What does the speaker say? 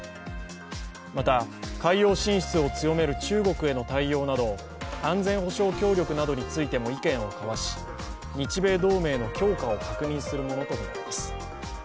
また、海洋進出を強める中国への対応など安全保障協力などについても意見を交わし、日米同盟の強化を確認するものとみられます。